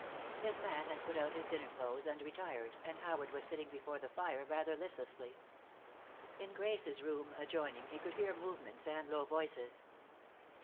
His man had put out his dinner clothes and retired, and Howard was sifting before the fire rather listlessly. In Grace's room, adjoining, he could hear movements and low voices.